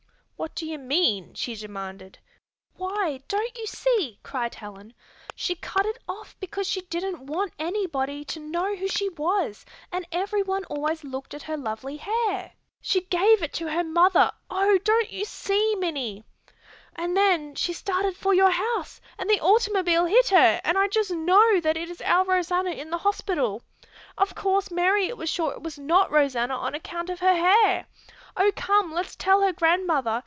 "What do you mean?" she demanded. "Why, don't you see?" cried Helen. "She cut it off because she didn't want anybody to know who she was, and everyone always looked at her lovely hair. She gave it to her mother. Oh, don't you see, Minnie? And then she started for your house, and the automobile hit her, and I just know that is our Rosanna in the hospital! Of course Mary was sure it was not Rosanna on account of her hair. Oh, come, let's tell her grandmother.